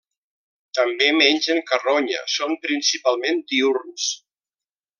També, mengen carronya, són principalment diürns.